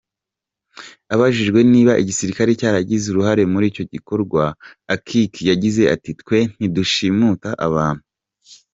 Abajijwe niba igisirikare cyaragize uruhare muri icyo gikorwa, Akiiki yagize ati “ Twe ntidushimuta abantu.